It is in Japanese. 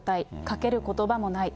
かけることばもない。